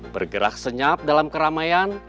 bergerak senyap dalam keramaian